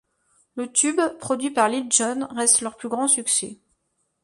Le tube ', produit par Lil Jon, reste leur plus grand succès.